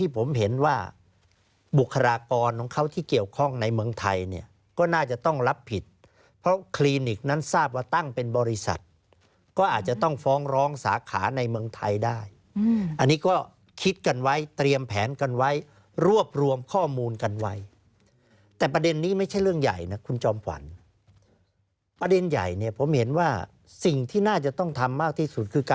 ผมเห็นว่าบุคลากรของเขาที่เกี่ยวข้องในเมืองไทยเนี่ยก็น่าจะต้องรับผิดเพราะคลินิกนั้นทราบว่าตั้งเป็นบริษัทก็อาจจะต้องฟ้องร้องสาขาในเมืองไทยได้อันนี้ก็คิดกันไว้เตรียมแผนกันไว้รวบรวมข้อมูลกันไว้แต่ประเด็นนี้ไม่ใช่เรื่องใหญ่นะคุณจอมขวัญประเด็นใหญ่เนี่ยผมเห็นว่าสิ่งที่น่าจะต้องทำมากที่สุดคือก